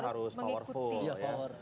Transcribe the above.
ini harus mengikuti